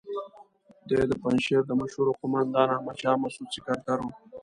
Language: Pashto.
دی د پنجشیر د مشهور قوماندان احمد شاه مسعود سکرتر وو.